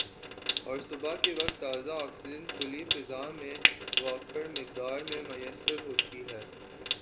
اور صبح کے وقت تازہ آکسیجن کھلی فضا میں وافر مقدار میں میسر ہوتی ہے